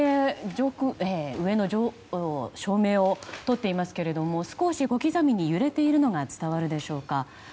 上の照明を撮っていますけども少し小刻みに揺れているのが伝わるでしょうか。